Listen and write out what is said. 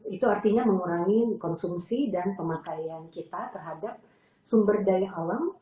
itu artinya mengurangi konsumsi dan pemakaian kita terhadap sumber daya alam